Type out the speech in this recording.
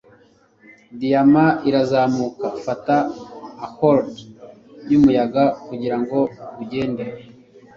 diyama irazamuka, fata ahold yumuyaga kugirango ugende